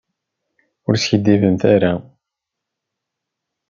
Ur skiddibemt ara.